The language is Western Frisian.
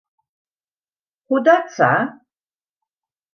Hoedatsa?